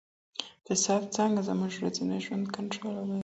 اقتصاد څنګه زموږ ورځنی ژوند کنټرولوي؟